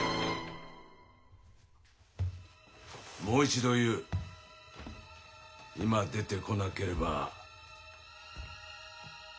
もう一度言う今出てこなければ。